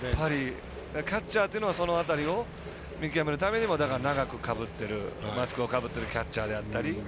キャッチャーというのはその辺りを見極めるためにも長くマスクをかぶっているキャッチャーであったり。